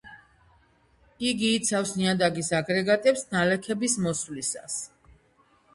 იგი იცავს ნიადაგის აგრეგატებს ნალექების მოსვლისას.